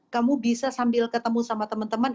kamu bisa sambil ketemu sama teman teman